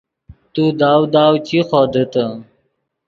تو داؤ داؤ چی خودیتے